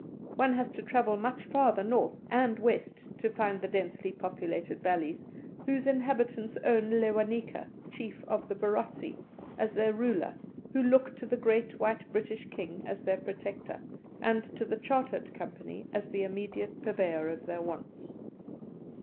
One has to travel much farther north and west to find the densely populated valleys, whose inhabitants own Lewanika, Chief of the Barotse, as their ruler, who look to the great white British King as their protector, and to the Chartered Company as the immediate purveyor of their wants.